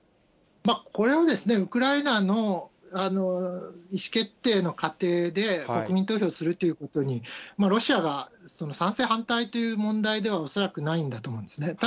これはですね、ウクライナの意思決定の過程で、国民投票するということに、ロシアが賛成、反対という問題では、恐らくないんだと思うんですね。